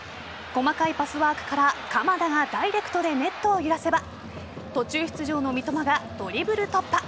細かいパスワークから鎌田がダイレクトでネットを揺らせば途中出場の三笘がドリブル突破。